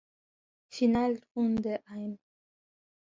Finalrunde ein.